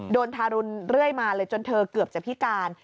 ทารุณเรื่อยมาเลยจนเธอเกือบจะพิการ